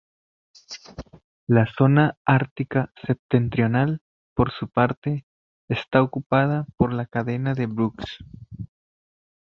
La zona ártica septentrional, por su parte, está ocupada por la cadena de Brooks.